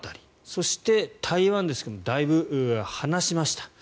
そして、台湾ですがだいぶ離しました。